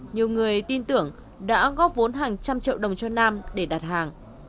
nhiều người tin tưởng đã góp vốn hàng trăm triệu đồng cho nam để đặt hàng